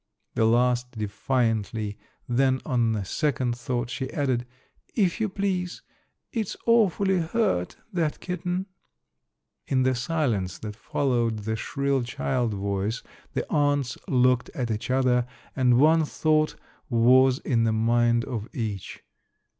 The last defiantly, then on second thought, she added: "If you please. It's awfully hurt, that kitten." In the silence that followed the shrill child voice the aunts looked at each other and one thought was in the mind of each.